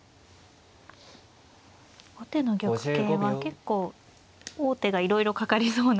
後手の玉形は結構王手がいろいろかかりそうな形ですし。